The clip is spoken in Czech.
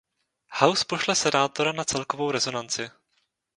House pošle senátora na celkovou rezonanci.